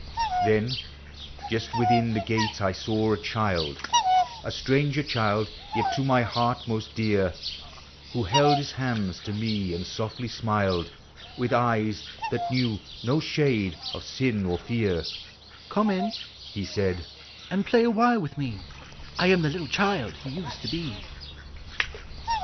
Then just within the gate I saw a child, — A stranger child, yet to my heart most dear, — Who held his hands to me, and softly smiled With eyes that knew no shade of sin or fear :" Come in," he said, " aud play awhile with me; I am the little child you used to be."